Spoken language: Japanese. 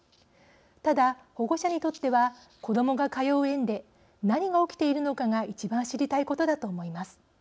ただ、保護者にとっては子どもが通う園で何が起きているのかが一番、知りたいことだと思います。